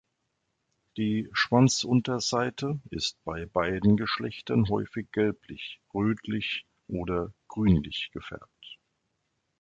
Die Schwanzunterseite ist bei beiden Geschlechtern häufig gelblich, rötlich oder grünlich gefärbt.